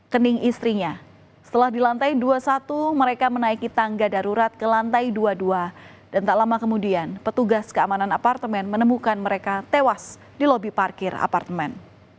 kedatangan mereka menemukan petugas yang menemukan mereka tewas di lobi parkir apartemen